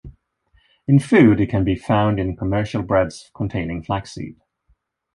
In food, it can be found in commercial breads containing flaxseed.